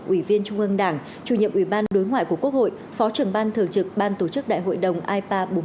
ủy viên trung ương đảng chủ nhiệm ủy ban đối ngoại của quốc hội phó trưởng ban thường trực ban tổ chức đại hội đồng ipa bốn mươi